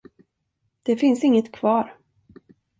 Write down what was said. Det finns inget kvar.